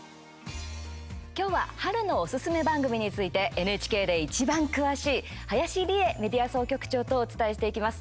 今日は春のおすすめ番組についてＮＨＫでいちばん詳しい林理恵メディア総局長とお伝えしていきます。